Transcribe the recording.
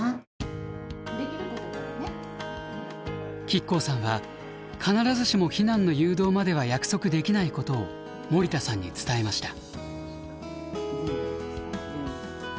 亀甲さんは必ずしも避難の誘導までは約束できないことを森田さんに伝えました。